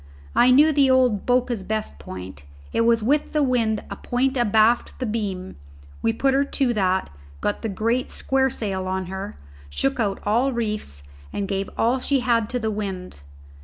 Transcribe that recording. I knew the old Boca's best point; it was with the wind a point abaft the beam; we put her to that, got the great square sail on her, shook out all reefs, and gave all she had to the wind.